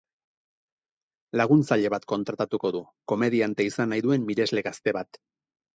Laguntzaile bat kontratatuko du, komediante izan nahi duen miresle gazte bat.